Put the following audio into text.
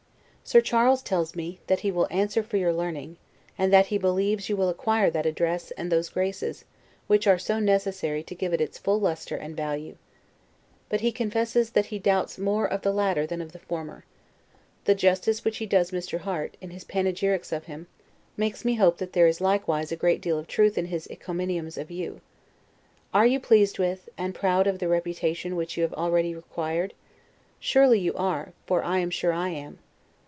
Sir Charles tells me, that he will answer for your learning; and that, he believes, you will acquire that address, and those graces, which are so necessary to give it its full lustre and value. But he confesses, that he doubts more of the latter than of the former. The justice which he does Mr. Harte, in his panegyrics of him, makes me hope that there is likewise a great deal of truth in his encomiums of you. Are you pleased with, and proud of the reputation which you have already acquired? Surely you are, for I am sure I am.